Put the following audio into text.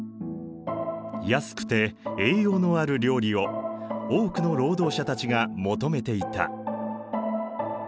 安くて栄養のある料理を多くの労働者たちが求めていた。